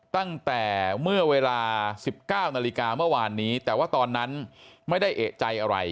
ตั้งแต่เมื่อเวลา๑๙นาฬิกาเมื่อวานนี้แต่ว่าตอนนั้นไม่ได้เอกใจอะไร